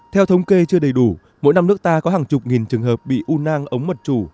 theo thống kê chưa đầy đủ mỗi năm nước ta có hàng chục nghìn trường hợp bị u nang ống mất chủ